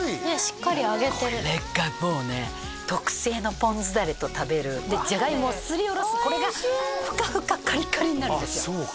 結構ね厚いこれがもうね特製のポン酢ダレと食べるでじゃがいもをすりおろすこれがフカフカカリカリになるんですよ